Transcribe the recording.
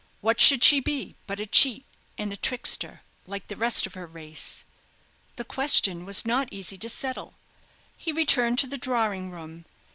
What should she be but a cheat and a trickster, like the rest of her race?" The question was not easy to settle. He returned to the drawing room.